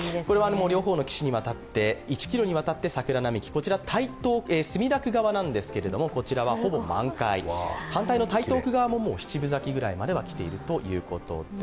両方の岸、１ｋｍにわたって桜並木、こちら墨田区側なんですがこちらはほぼ満開、反対の台東区側もほぼ７分咲きぐらいになっているということです。